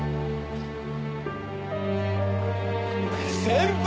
先輩！